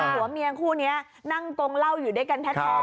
ผัวเมียคู่นี้นั่งกงเหล้าอยู่ด้วยกันแท้